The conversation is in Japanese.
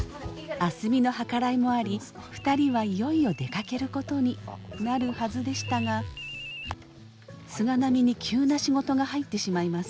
明日美の計らいもあり２人はいよいよ出かけることになるはずでしたが菅波に急な仕事が入ってしまいます。